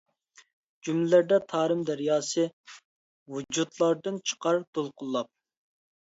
جۈملىلەردە تارىم دەرياسى، ۋۇجۇدلاردىن چىقار دولقۇنلاپ.